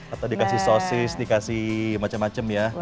atau dikasih sosis dikasih macam macam ya